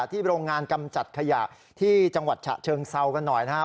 โรงงานกำจัดขยะที่จังหวัดฉะเชิงเซากันหน่อยนะครับ